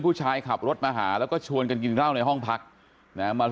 ผู้ชายขับรถมาหาแล้วก็ชวนกันกินราวในห้องพักน่ะมา